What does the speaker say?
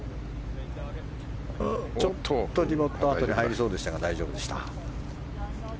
ちょっとディボット跡に入りそうでしたが大丈夫でした。